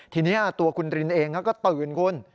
ทีนี้ตัวคุณรินเองก็ตื่นคุณ